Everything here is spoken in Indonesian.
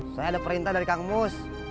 saya ada perintah dari kak emus